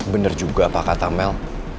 bener juga apa kata mel